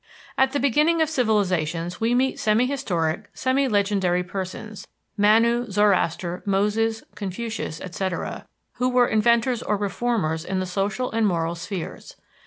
At the beginning of civilizations we meet semi historic, semi legendary persons Manu, Zoroaster, Moses, Confucius, etc., who were inventors or reformers in the social and moral spheres.